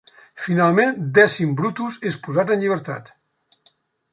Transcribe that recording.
Finalment, Dècim Brutus és posat en llibertat.